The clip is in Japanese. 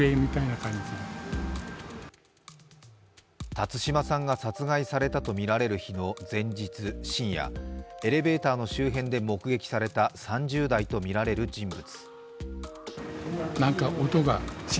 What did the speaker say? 辰島さんが殺害されたとみられる日の前日深夜、エレベーターの周辺で目撃された３０代とみられる人物。